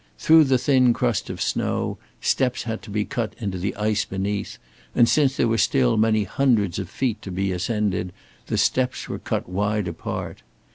Through the thin crust of snow, steps had to be cut into the ice beneath, and since there were still many hundreds of feet to be ascended, the steps were cut wide apart.